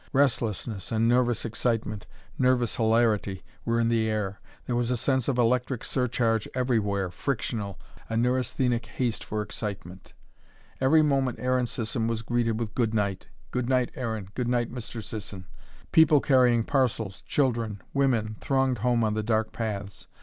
Restlessness and nervous excitement, nervous hilarity were in the air. There was a sense of electric surcharge everywhere, frictional, a neurasthenic haste for excitement. Every moment Aaron Sisson was greeted with Good night Good night, Aaron Good night, Mr. Sisson. People carrying parcels, children, women, thronged home on the dark paths.